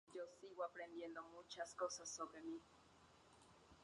Hinojosa formaba parte de la junta que condenó a los culpables.